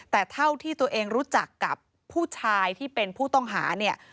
แต่เท่าที่ตัวเองรู้จักกับผู้ชายที่เป็นผู้ต้องหาเนี่ย